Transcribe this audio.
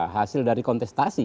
hasil dari kontestasi